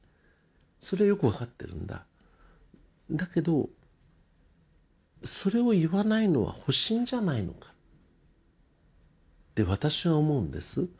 そりゃよく分かってるんだだけどそれを言わないのは保身じゃないのかって私は思うんです